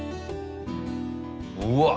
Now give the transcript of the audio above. うわっ！